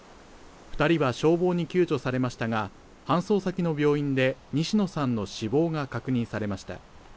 ２人は消防に救助されましたが、搬送先の病院で西野さんの死亡が確認されました。